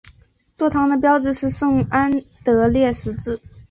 座堂的标志是圣安德烈十字。